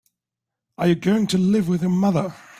Are you going to live with your mother?